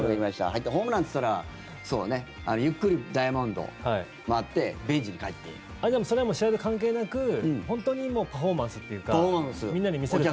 入った、ホームランっていったらゆっくりダイヤモンドを回ってそれは試合と関係なく本当にパフォーマンスっていうかみんなに見せるために。